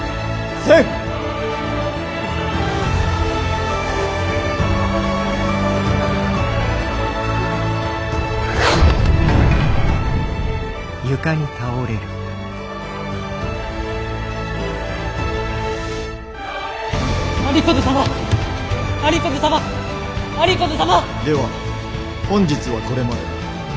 では本日はこれまで。